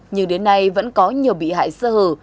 nhưng đến nay vẫn có nhiều bị hại sơ hở